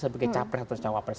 sebagai cawapres atau cawapres